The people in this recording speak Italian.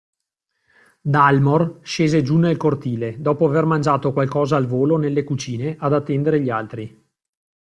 Dalmor scese giù nel cortile, dopo aver mangiato qualcosa al volo nelle cucine, ad attendere gli altri.